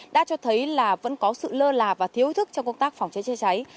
đã cho thấy là vẫn có sự lơ là và thiếu thức trong công tác phòng cháy chữa cháy